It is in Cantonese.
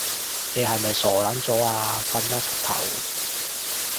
你係咪傻撚咗啊？瞓啦柒頭